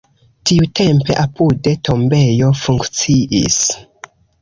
Tiutempe apude tombejo funkciis.